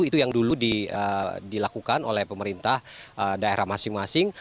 itu yang dulu dilakukan oleh pemerintah daerah masing masing